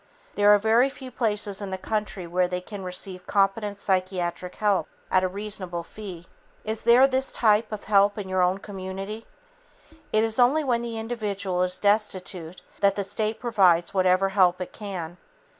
There are very few places in the country where they can receive competent psychiatric help at a reasonable fee. Is there this type of help in your own community? It is only when the individual is destitute that the state provides whatever help it can.